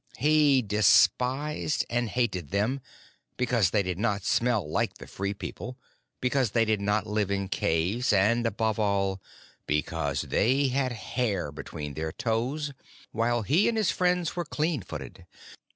He despised and hated them because they did not smell like the Free People, because they did not live in caves, and, above all, because they had hair between their toes while he and his friends were clean footed.